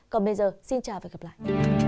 còn bây giờ xin chào và gặp lại